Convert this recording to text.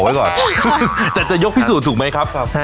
ตอนนี้พี่ซูกนะครับ